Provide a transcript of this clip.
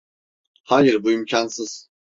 Hayır, bu imkansız.